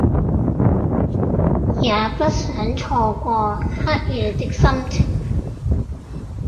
也不想錯過黑夜的心情